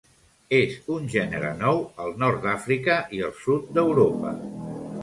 És un gènere nou al nord d'Àfrica i el sud d'Europa.